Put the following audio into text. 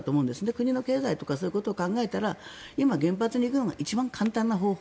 国の経済とかそういうことを考えたら今、原発に行くのが一番簡単な方法。